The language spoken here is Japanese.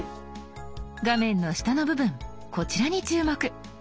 画面の下の部分こちらに注目。